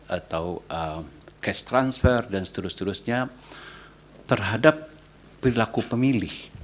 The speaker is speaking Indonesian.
atau cash transfer dan seterusnya terhadap perilaku pemilih